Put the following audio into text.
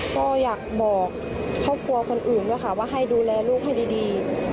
ก็อยากบอกครอบครัวคนอื่นด้วยค่ะว่าให้ดูแลลูกให้ดี